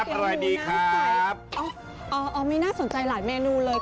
ก๋วยเตี๋ยวหมูน้ำใสอ๋อไม่น่าสนใจหลายเมนูเลย